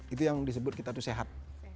itu yang disebut kita itu sehat